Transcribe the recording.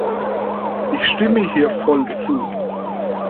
Ich stimme hier voll zu!